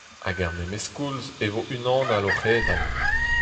Hag er memes koulz e vo unan all o c'hedal.